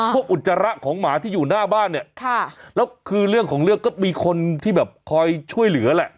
อุจจาระของหมาที่อยู่หน้าบ้านเนี่ยแล้วคือเรื่องของเรื่องก็มีคนที่แบบคอยช่วยเหลือแหละ